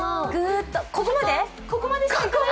ここまで？